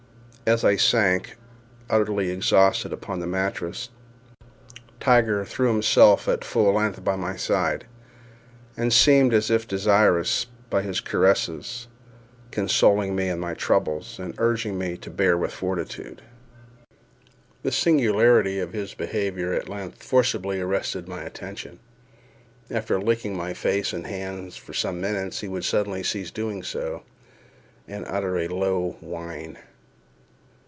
As I sank, utterly exhausted, upon the mattress, Tiger threw himself at full length by my side, and seemed as if desirous, by his caresses, of consoling me in my troubles, and urging me to bear them with fortitude. The singularity of his behavior at length forcibly arrested my attention. After licking my face and hands for some minutes, he would suddenly cease doing so, and utter a low whine.